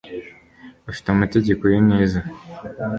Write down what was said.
Afite amategeko ye neza